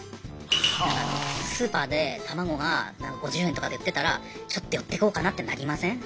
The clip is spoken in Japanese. スーパーで卵が５０円とかで売ってたらちょっと寄ってこうかなってなりません？